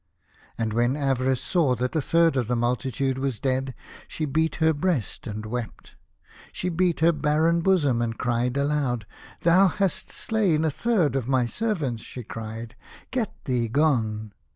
And when Avarice saw that a third of the multitude was dead she beat her breast and wept. She beat her barren bosom, and cried aloud. " Thou hast slain a third of my ser vants," she cried, "get thee gone.